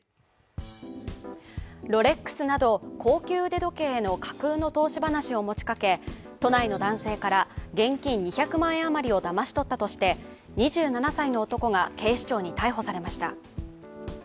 ロレックスなど高級腕時計への架空の投資話を持ちかけ、都内の男性から現金２００万円余りをだまし取ったとして、２７歳の男が警視庁に逮捕されました。